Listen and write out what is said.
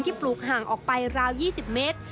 ปลูกห่างออกไปราว๒๐เมตร